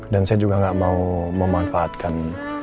dan saya juga nggak mau memanfaatkan